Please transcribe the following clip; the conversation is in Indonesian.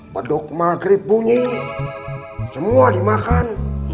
beduk maghrib bunyi semua dimakan